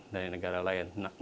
dari negara lain